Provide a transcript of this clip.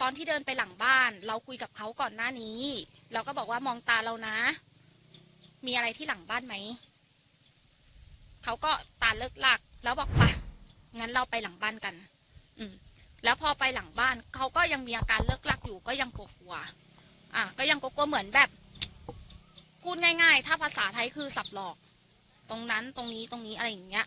ตอนที่เดินไปหลังบ้านเราคุยกับเขาก่อนหน้านี้เราก็บอกว่ามองตาเรานะมีอะไรที่หลังบ้านไหมเขาก็ตาเลิกลักแล้วบอกไปงั้นเราไปหลังบ้านกันแล้วพอไปหลังบ้านเขาก็ยังมีอาการเลิกลักอยู่ก็ยังกลัวกลัวก็ยังกลัวเหมือนแบบพูดง่ายถ้าภาษาไทยคือสับหลอกตรงนั้นตรงนี้ตรงนี้อะไรอย่างเงี้ย